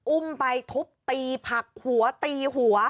อุ้มไปทุบตีผักหัวตีหัว